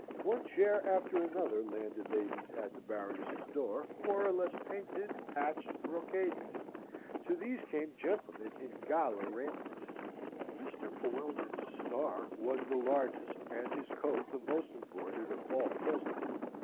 One chair after another landed ladies at the Baroness's door, more or less painted, patched, brocaded. To these came gentlemen in gala raiment. Mr. Poellnitz's star was the largest, and his coat the most embroidered of all present.